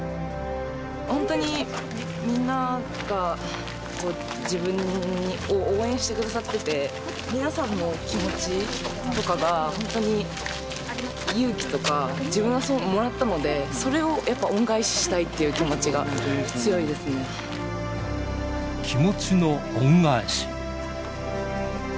本当にみんなが、自分を応援してくださってて、皆さんの気持ちとかが本当に勇気とか、自分がもらったので、それをやっぱ恩返ししたいっていう気持ちが気持ちの恩返し。